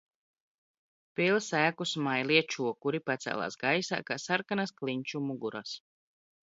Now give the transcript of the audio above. Pils ēku smailie čokuri pacēlās gaisā kā sarkanas klinšu muguras.